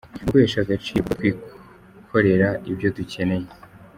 Ni ukwihesha agaciro kuko twikorera ibyo dukeneye.